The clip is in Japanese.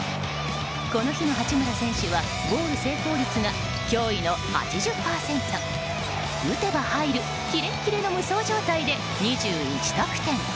この日の八村選手はゴール成功率が驚異の８０％。打てば入るキレッキレの無双状態で２１得点。